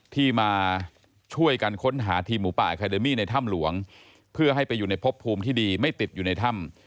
ที่มาช่วยกันค้นหาทีมหมูป่าอาคาเดมี่ในถ้ำหลวงเพื่อให้ไปอยู่ในพบภูมิที่ดีไม่ติดอยู่ในถ้ำ